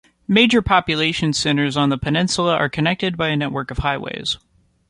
Major population centres on the peninsula are connected by a network of highways.